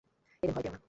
এতো ভয় পেয় না।